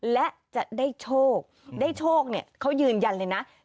และจะได้โชคได้โชคเนี่ยเขายืนยันเลยนะ